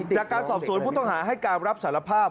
จากการสอบสวนผู้ต้องหาให้การรับสารภาพ